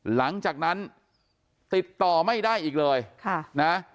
หลังจากนั้นติดต่อไม่ได้อีกเลยค่ะนะ